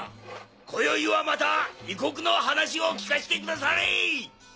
今宵はまた異国の話を聞かしてくだされ！